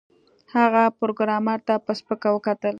هغه پروګرامر ته په سپکه وکتل